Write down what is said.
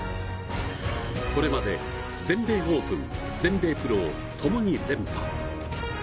これまで全米オープン、全米プロをともに連覇。